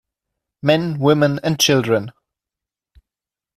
Men, women and children.